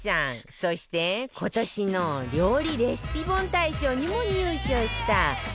そして今年の料理レシピ本大賞にも入賞した